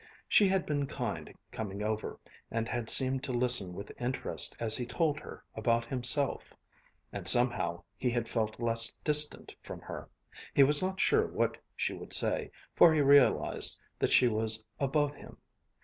She had been kind coming over; and had seemed to listen with interest as he told her about himself: and somehow he had felt less distant from her. He was not sure what she would say, for he realized that she was above him.